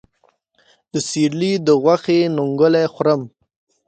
د سېرلي د غوښې ننګولی خورم